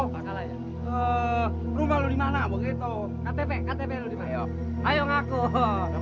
penyeluman babi ngepet bisa berdong dong